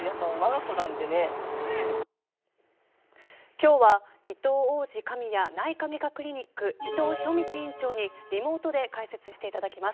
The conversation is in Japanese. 今日は、いとう王子神谷内科外科クリニック伊藤博道院長にリモートで解説していただきます。